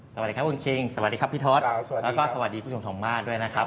สวัสดีครับคุณคิงสวัสดีครับพี่ทศแล้วก็สวัสดีผู้ชมทงมากด้วยนะครับ